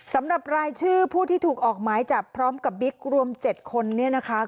สำหรับรายชื่อผู้ที่ถูกออกหมายจับพร้อมกับบิ๊กรวม๗คนเนี่ยนะคะ